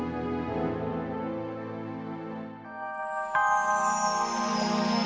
sampai jumpa lagi